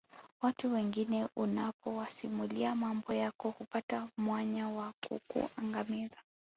Watu wengine unapowasimulia mambo yako hupata mwanya wa kukuangamiza